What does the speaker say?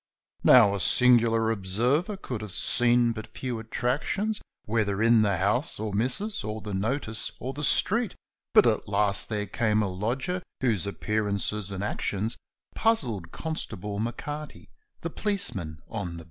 Now, a singular observer could have seen but few attractions Whether in the house, or ' missus, or the notice, or the street, But at last there came a lodger whose appearances and actions Puzzled Constable M'Carty, the policeman on the beat.